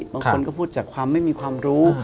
บางคนก็พูดจากความไม่มีความรู้